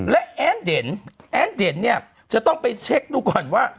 และแอ้นเด่นเนี่ยจะต้องไปเช็คดูก่อนว่า